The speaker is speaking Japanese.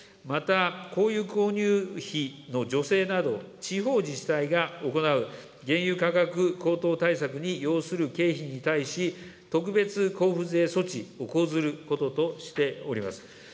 また灯油購入費の助成など、地方自治体が行う原油価格高騰対策に要する経費に対し、特別交付税措置を講ずることとしております。